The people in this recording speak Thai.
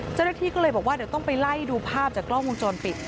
เจ้าหน้าที่ก็เลยบอกว่าเดี๋ยวต้องไปไล่ดูภาพจากกล้องวงจรปิด